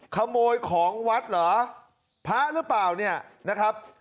ขโมยของวัดเหรอพระหรือเปล่าเนี่ยนะครับ